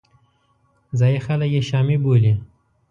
ځایي خلک یې شامي بولي.